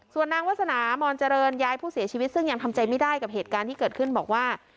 ส่วนนางวาสนามอนเจริญยายผู้เสียชีวิตซึ่งยังทำใจไม่ได้กับเหตุการณ์ที่เกิดขึ้นบอกว่า